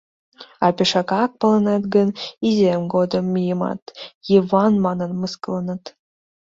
А пешакак палынет гын, изиэм годым мыйымат «Йыван» манын мыскыленыт.